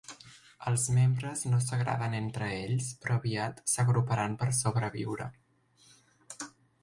Els membres no s'agraden entre ells, però aviat s'agruparan per sobreviure.